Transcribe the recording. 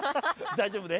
大丈夫ね？